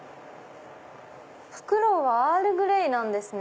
フクロウはアールグレイですね。